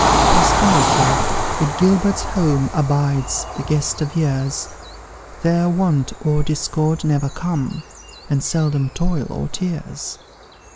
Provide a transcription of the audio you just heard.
Prosperity, in Gilbert's home, Abides the guest of years; There Want or Discord never come, And seldom Toil or Tears.